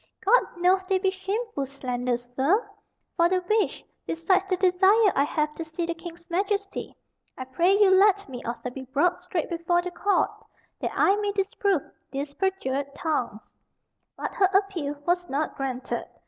God knoweth they be shameful slanders, sir; for the which, besides the desire I have to see the King's Majesty, I pray you let me also be brought straight before the court that I may disprove these perjured tongues." But her appeal was not granted.